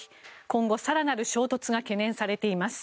今後、更なる衝突が懸念されています。